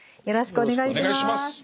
よろしくお願いします。